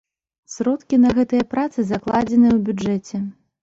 Сродкі на гэтыя працы закладзеныя ў бюджэце.